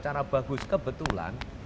cara bagus kebetulan